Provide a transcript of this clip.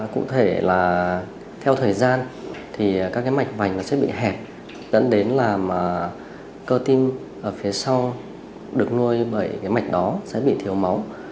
cụ thể là theo thời gian thì các mạch vành sẽ bị hẹp dẫn đến là cơ tim phía sau được nuôi bởi mạch đó sẽ bị thiếu máu